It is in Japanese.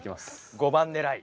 ５番狙い。